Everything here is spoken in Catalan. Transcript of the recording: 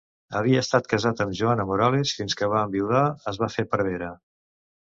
Havia estat casat amb Joana Morales fins que va enviudar es va fer prevere.